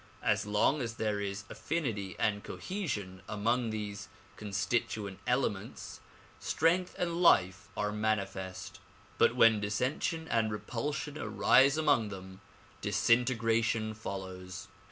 As long as there is affinity and cohesion among these constituent elements strength and life are manifest but when dissension and repulsion arise among them, disintegration follows.